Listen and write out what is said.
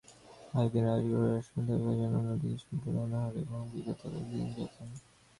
একদিন রাজগৃহে স্বর্ণপাত্রে তাঁর ভোজন, অন্যদিন সম্পূর্ণ অনাহারে এবং বৃক্ষতলে দিনযাপন।